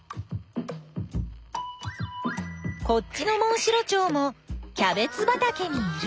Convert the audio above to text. こっちのモンシロチョウもキャベツばたけにいる。